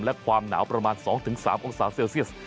และความหนาวประมาณ๒๓องศาเซลเซียส